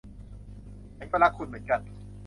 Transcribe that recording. ฉันก็รักคุณเหมือนกัน